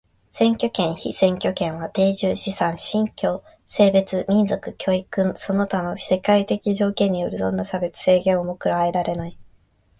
選挙権、被選挙権は定住、資産、信教、性別、民族、教育その他の社会的条件によるどんな差別、制限をも加えられない。